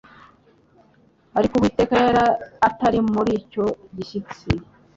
ariko Uwiteka yari atari muri icyo gishyitsi.